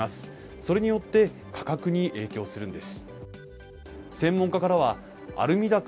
それによって価格に影響するんです。